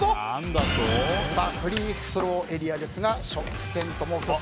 フリースローエリアですが食券ともう１つ